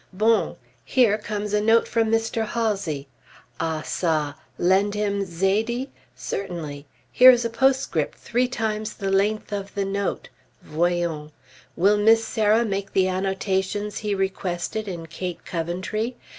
Bon! here comes a note from Mr. Halsey! Ah ça! Lend him "Zaidee"? Certainly! Here is a postscript three times the length of the note; voyons. Will Miss Sarah make the annotations he requested, in "Kate Coventry"?